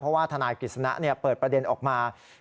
เพราะว่าทนายกฤษณะเปิดประเด็นออกมา